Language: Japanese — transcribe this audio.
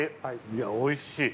いやおいしい。